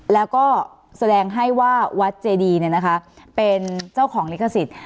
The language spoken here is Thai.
แล้วก็แสดงให้ว่าวัดเจดีเป็นเจ้าของลิขสิทธิ์